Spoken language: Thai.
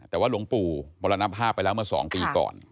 แต่ว่าหลวงปู่มรณภาพไปแล้วเมื่อ๒ปีก่อน